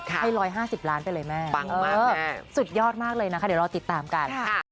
ให้๑๕๐ล้านไปเลยแม่ปังมากสุดยอดมากเลยนะคะเดี๋ยวรอติดตามกัน